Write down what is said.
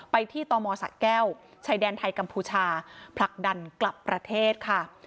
ไปที่ตมสะแก้วชายแดนไทยกัมพูชาผลักดันกลับประเทศค่ะ